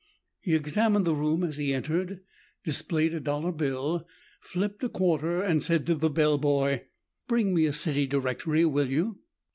He examined the room as he entered, displayed a dollar bill, flipped a quarter and said to the bellboy, "Bring me a city directory, will you?"